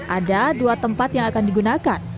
ada dua tempat yang akan digunakan